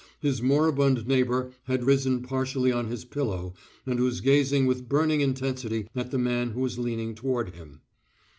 His moribund neighbor had risen partially on his pillow and was gazing with burning intensity at the man who was leaning toward him.